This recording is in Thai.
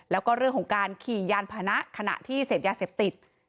แล้วก็เรื่องของการขี่ยานพานะขณะที่เสพยาเสพติด